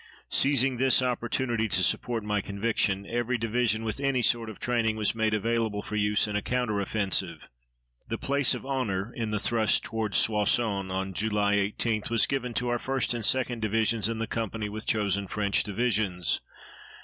Seizing this opportunity to support my conviction, every division with any sort of training was made available for use in a counter offensive. The place of honor in the thrust toward Soissons on July 18 was given to our 1st and 2d Divisions in company with chosen French divisions.